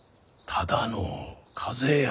ただの風邪や。